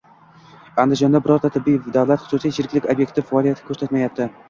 Andijonda birorta tibbiy davlat-xususiy sheriklik ob’ekti faoliyat ko‘rsatmayapti